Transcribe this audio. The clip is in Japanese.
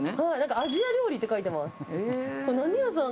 アジア料理って書いてます。